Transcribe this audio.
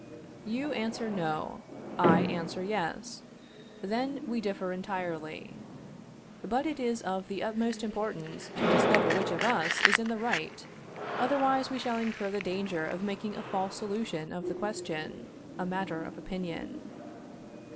You answer, no; I answer, yes. Then we differ entirely; but it is of the utmost importance to discover which of us is in the right; otherwise we shall incur the danger of making a false solution of the question, a matter of opinion.